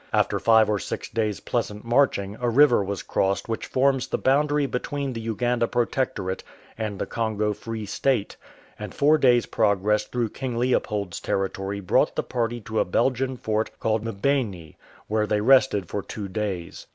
After five or six days' pleasant marching a river was crossed which forms the boundary between the Uganda Protectorate and the Congo Free State, and four days' progress through King Leopold's territory brought the party to a Belgian fort called Mbeni, where they rested for two days.